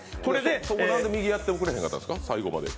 なんで右やってくれなかったんですか？